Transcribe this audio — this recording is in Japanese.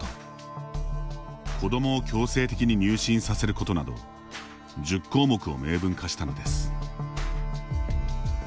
「子どもを強制的に入信させること」など１０項目を明文化したのです。